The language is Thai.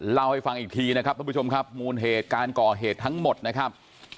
เล่าให้ฟังอีกทีนะครับทุกผู้ชมครับมูลเหตุการก่อเหตุทั้งหมดนะครับ